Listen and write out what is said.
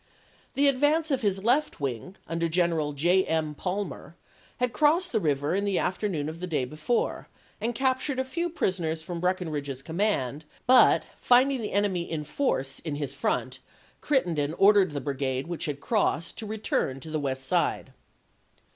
The advance of his left wing, under General J. M. Palmer, had crossed the river in the afternoon of the day before, and captured a few prisoners from Breckinridge's command, but, finding the enemy in force in his front, Crittenden ordered the brigade which had crossed to return to the west side.